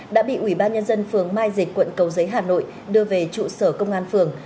đã bị ủy ban nhân dân phường mai dịch quận cầu giấy hà nội đưa về trụ sở công an phường